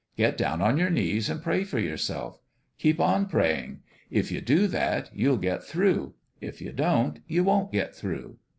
Get down on your knees and pray for yourself. Keep on praying. If you do that, you'll get through ; if you don't, you won't get through."